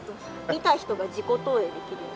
見た人が自己投影できるような。